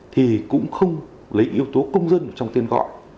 thì cũng không lấy yếu tố công dân trong tên gọi